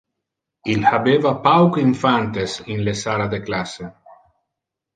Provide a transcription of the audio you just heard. Il habeva pauc infantes in le sala de classe.